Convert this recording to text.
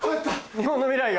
日本の未来が。